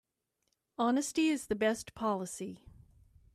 Honesty is the best policy.